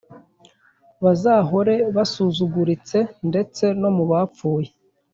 bazahore basuzuguritse ndetse no mu bapfuye.